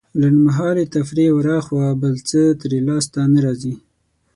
لنډمهالې تفريح وراخوا بل څه ترې لاسته نه راځي.